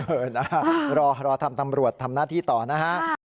เออนะรอทำตำรวจทำหน้าที่ต่อนะฮะ